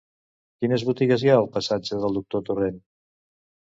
Quines botigues hi ha al passatge del Doctor Torent?